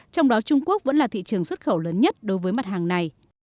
trong đó trung quốc vẫn là thị trường xuất khẩu lớn nhất đối với mặt hàng này